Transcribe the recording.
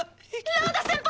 ラウダ先輩！